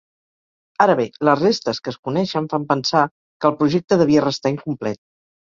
Ara bé, les restes que es coneixen fan pensar que el projecte devia restar incomplet.